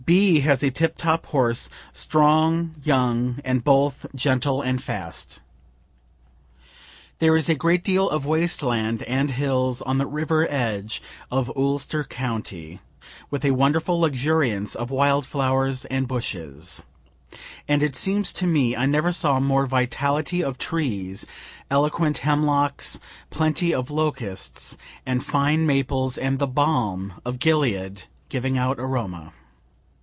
B. has a tip top horse, strong, young, and both gentle and fast. There is a great deal of waste land and hills on the river edge of Ulster county, with a wonderful luxuriance of wild flowers and bushes and it seems to me I never saw more vitality of trees eloquent hemlocks, plenty of locusts and fine maples, and the balm of Gilead, giving out aroma.